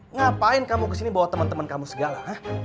ngapain kamu kesini bawa temen temen kamu segala